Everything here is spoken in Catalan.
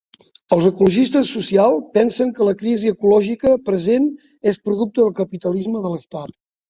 Els ecologistes socials pensen que la crisi ecològica present és producte del capitalisme de l'Estat.